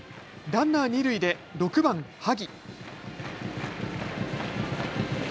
ランナー二塁で６番・萩。